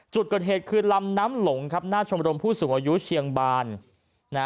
จุดเกิดเหตุคือลำน้ำหลงครับหน้าชมรมผู้สูงอายุเชียงบานนะ